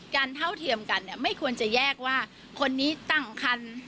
การเท่าเทียมกันไม่ควรจะแยกว่าคนนี้ต่างคัน